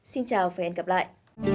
xin chào và hẹn gặp lại